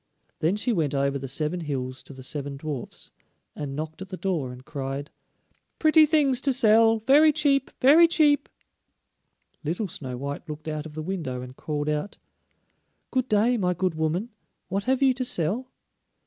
Then she went over the seven hills to the seven dwarfs, and knocked at the door and cried: "Pretty things to sell, very cheap, very cheap." Little Snow white looked out of the window and called out: "Good day, my good woman, what have you to sell?"